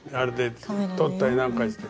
撮ったりなんかして。